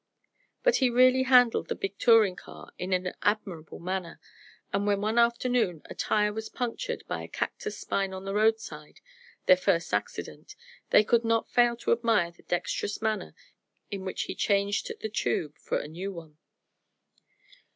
But he really handled the big touring car in an admirable manner, and when one afternoon a tire was punctured by a cactus spine by the roadside their first accident they could not fail to admire the dexterous manner in which he changed the tube for a new one.